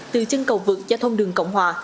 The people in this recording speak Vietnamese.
từ chân cầu vực giao thông đường cộng hòa